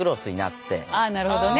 ああなるほどね。